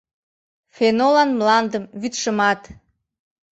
Фенолан мландым, вӱдшымат.